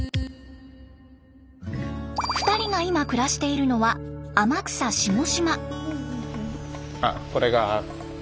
２人が今暮らしているのは天草下島。